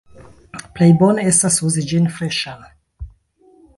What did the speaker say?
Plej bone estas uzi ĝin freŝan.